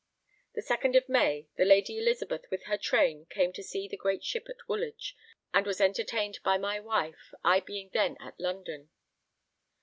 The second of May, the Lady Elizabeth with her train came to see the great ship at Woolwich, and was entertained by my wife, I being then at London.